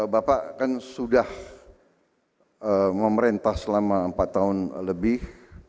bapak kan sudah memerintah selama empat tahun lebih